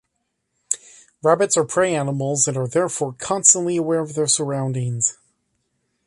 Rabbits are prey animals and are therefore constantly aware of their surroundings.